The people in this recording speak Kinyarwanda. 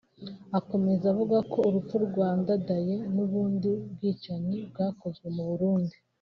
Akomeza avuga ko urupfu rwa Ndadaye n’ubundi bwicanyi bwakozwe mu Burundi